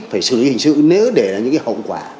phải xử lý hình sự nếu để ra những hậu quả